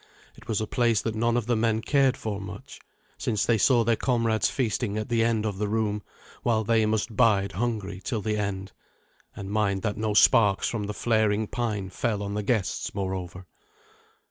It was a place that none of the men cared for much, since they saw their comrades feasting at the end of the room, while they must bide hungry till the end, and mind that no sparks from the flaring pine fell on the guests, moreover.